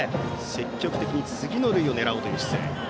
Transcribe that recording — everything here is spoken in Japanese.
積極的に次の塁を狙おうという姿勢。